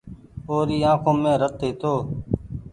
او ري آنکون مين رت هيتو۔